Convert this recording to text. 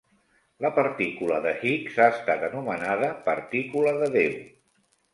La partícula de Higgs ha estat anomenada partícula de Déu.